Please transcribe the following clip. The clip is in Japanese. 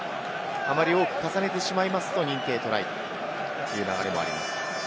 あまり多く重ねてしまうと認定トライという流れもあります。